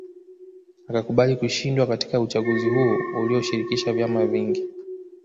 Akakubali kushindwa katika uchaguzi huo uliovishirikisha vyama vingi